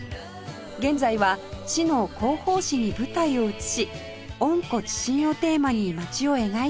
現在は市の広報誌に舞台を移し温故知新をテーマに街を描いています